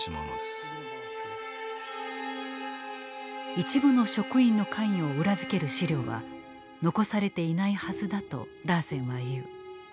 一部の職員の関与を裏付ける資料は残されていないはずだとラーセンは言う。